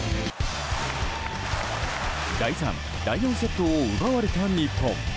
第３、第４セットを奪われた日本。